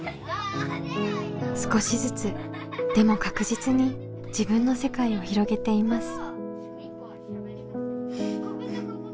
少しずつでも確実に自分の世界を広げています。